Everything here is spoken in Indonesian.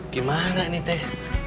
gimana ini teh